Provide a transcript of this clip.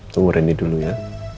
tunggu reni dulu ya